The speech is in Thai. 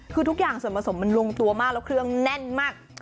คือทุกอย่างส่วนผสมมันลงตัวมากแล้วเครื่องแน่นมาก